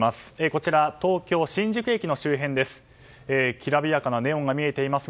こちら、東京・新宿駅の周辺です。